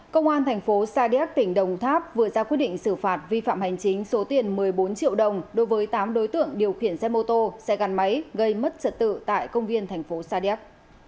công an thành phố sa điếc tỉnh đồng tháp vừa ra quyết định xử phạt vi phạm hành chính số tiền một mươi bốn triệu đồng đối với tám đối tượng điều khiển xe mô tô xe gắn máy gây mất trật tự tại công viên thành phố sa điếc